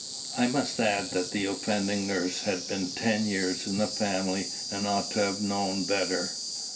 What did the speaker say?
I must add that the offending nurse had been ten years in the family, and ought to have known better.